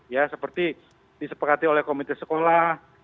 ya seperti disepakati oleh komite sekolah